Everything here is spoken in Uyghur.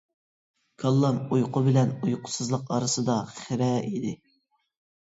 كاللام ئۇيقۇ بىلەن ئۇيقۇسىزلىق ئارىسىدا خىرە ئىدى.